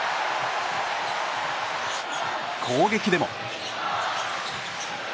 攻撃でも。